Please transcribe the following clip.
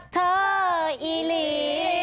เธออีหลี